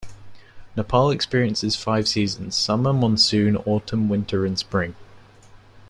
Nepal experiences five seasons: summer, monsoon, autumn, winter and spring.